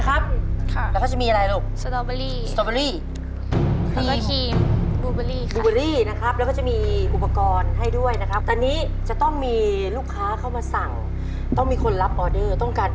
อังเปล่าอยากช่วยเต็มที่เลยนะ